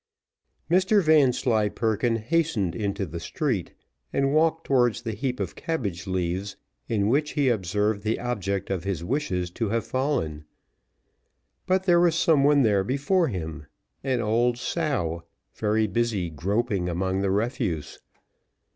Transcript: Mr Vanslyperken hastened into the street, and walked towards the heap of cabbage leaves, in which he observed the object of his wishes to have fallen; but there was some one there before him, an old sow, very busy groping among the refuse.